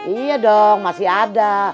iya dong masih ada